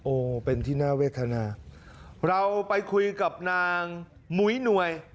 เป็นที่น่าเวทนาเราไปคุยกับนางหมุยหน่วย